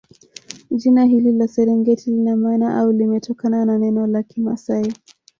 Jina hili la Serengeti lina maana au limetokana na neno la kimasai